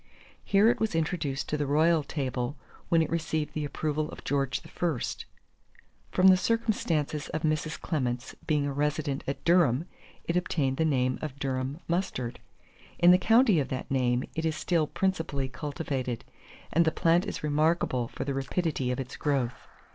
Here it was introduced to the royal table, when it received the approval of George I. From the circumstance of Mrs. Clements being a resident at Durham, it obtained the name of Durham mustard. In the county of that name it is still principally cultivated, and the plant is remarkable for the rapidity of its growth.